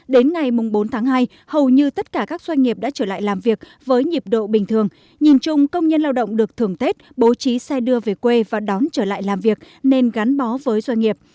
đến ngày bốn tháng hai hầu như tất cả các doanh nghiệp đã trở lại làm việc với nhịp độ bình thường nhìn chung công nhân lao động được thường tết bố trí xe đưa về quê và đón trở lại làm việc nên gắn bó với doanh nghiệp